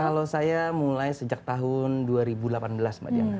kalau saya mulai sejak tahun dua ribu delapan belas mbak diana